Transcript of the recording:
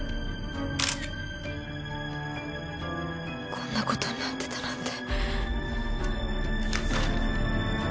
こんな事になってたなんて。